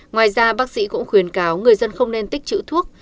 ngoài ra bác sĩ cũng khuyến cáo người dân không nên tích chữ thuốc